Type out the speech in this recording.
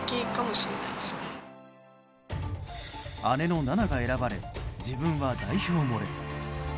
姉の菜那が選ばれ自分は代表漏れ。